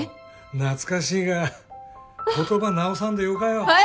懐かしいが言葉直さんでよかよえ